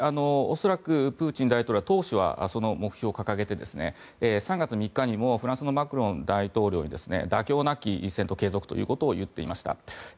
恐らく、プーチン大統領は当初はその目標を掲げて３月３日にもフランスのマクロン大統領に妥協なき継続といっていました。